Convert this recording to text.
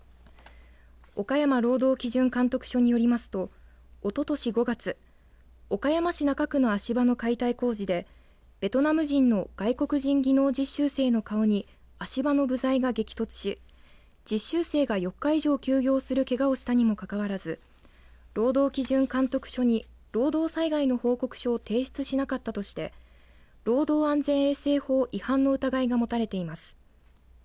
岡山労働基準監督署によりますとおととし５月岡山市中区の足場の解体工事でベトナム人の外国人技能実習生の顔に足場の部材が激突し実習生が４日以上休業するけがをしたにもかかわらず労働基準監督署に労働災害の報告書を提出しなかったとして労働安全衛生法違反の疑いが持たれています。